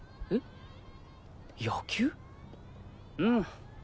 うん。